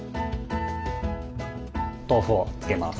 豆腐をつけます。